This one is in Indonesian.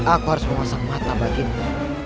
aku harus memasang mata bagimu